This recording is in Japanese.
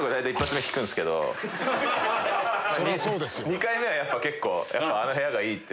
２回目はやっぱ結構「あの部屋がいい」って。